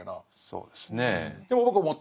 そうですね。